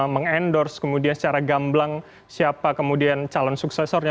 meng endorse kemudian secara gamblang siapa kemudian calon suksesornya